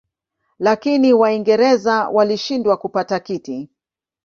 Lakini Waingereza walishindwa kupata kiti.